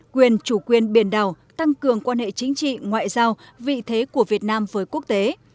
quyền chủ quyền biển đảo tăng cường quan hệ chính trị ngoại giao vị thế của việt nam với quốc tế